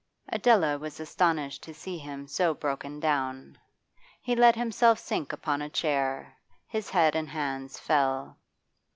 Adela was astonished to see him so broken down. He let himself sink upon a chair; his head and hands fell.